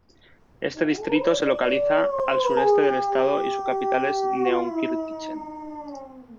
Este distrito se localiza al sureste del estado y su capital es Neunkirchen.